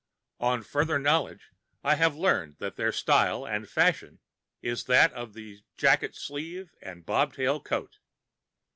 On further knowledge I have learned that their style and fashion is that of the jacket sleeve and bobtail coat.